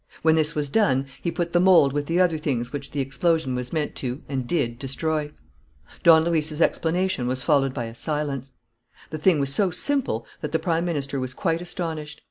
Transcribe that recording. When this was done, he put the mould with the other things which the explosion was meant to, and did, destroy." Don Luis's explanation was followed by a silence. The thing was so simple that the Prime Minister was quite astonished.